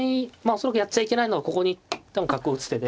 恐らくやっちゃいけないのはここに角を打つ手で。